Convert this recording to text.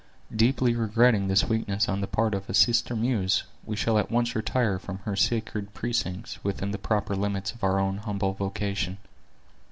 Deeply regretting this weakness on the part of a sister muse, we shall at once retire from her sacred precincts, within the proper limits of our own humble vocation.